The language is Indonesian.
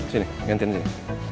sini gantian sini